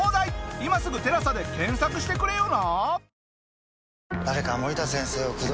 今すぐ「ＴＥＬＡＳＡ」で検索してくれよな！